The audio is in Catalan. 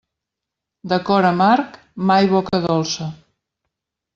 De cor amarg, mai boca dolça.